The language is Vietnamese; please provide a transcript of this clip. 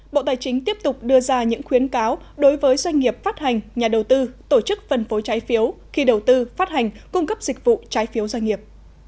bộ tài chính tiếp tục đưa ra những khuyến cáo đối với doanh nghiệp phát hành nhà đầu tư tổ chức phân phối trái phiếu khi đầu tư phát hành cung cấp dịch vụ trái phiếu doanh nghiệp